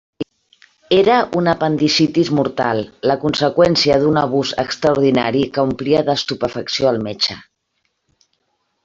Era una apendicitis mortal: la conseqüència d'un abús extraordinari que omplia d'estupefacció el metge.